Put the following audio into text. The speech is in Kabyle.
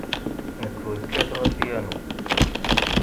Nekk ur kkateɣ apyanu.